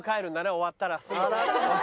終わったらすぐ。